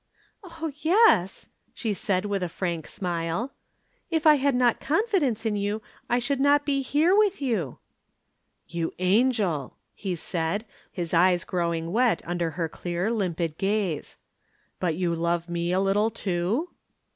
"Oh, yes," she said with a frank smile, "if I had not confidence in you, I should not be here with you." "You angel!" he said, his eyes growing wet under her clear, limpid gaze. "But you love me a little, too?"